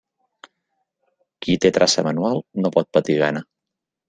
Qui té traça manual no pot patir gana.